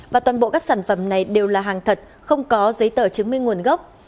và toàn bộ các sản phẩm này đều là hàng thật không có giấy tờ chứng minh nguồn gốc